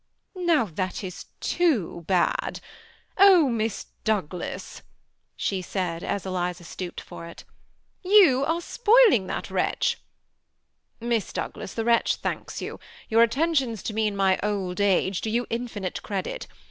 "Now that is too bad. Oh, Miss Douglas," she said, as Eliza stooped for it, "you are spoiling that wretch !"" Miss Douglas, the wretch thanks you ; your atten tions to me in my old age do you infinite credit.